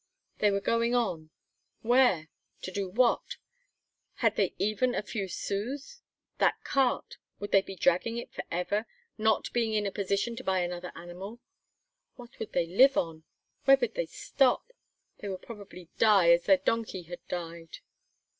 They were going on. Where? To do what? Had they even a few sous? That cart would they be dragging it forever, not being in a position to buy another animal? What would they live on? Where would they stop? They would probably die as their donkey had died.